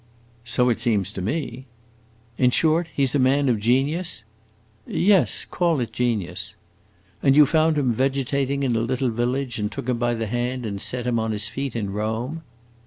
"So it seems to me." "In short, he 's a man of genius?" "Yes, call it genius." "And you found him vegetating in a little village and took him by the hand and set him on his feet in Rome?"